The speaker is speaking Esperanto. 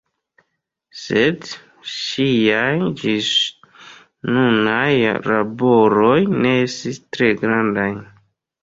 Sed ŝiaj ĝisnunaj laboroj ne estis tre grandaj.